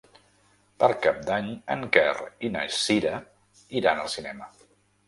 Per Cap d'Any en Quer i na Cira iran al cinema.